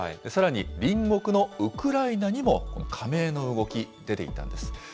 さらに隣国のウクライナにも、加盟の動き、出ていたんです。